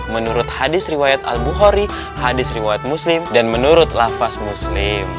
menurut hadis riwayat al bukhori hadis riwayat muslim dan menurut lafaz muslim